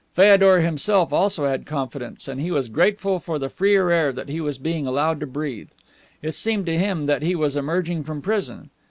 Feodor himself also had confidence, and he was grateful for the freer air that he was being allowed to breathe. It seemed to him that he was emerging from prison.